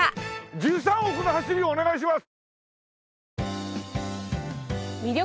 １３億の走りをお願いします！